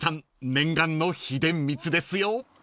念願の秘伝みつですよ］